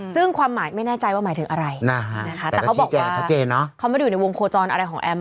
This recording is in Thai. ซึ่งความหมายไม่แน่ใจว่าหมายถึงอะไรนะคะแต่เขาบอกว่าเขาไม่ได้อยู่ในวงโคจรอะไรของแอม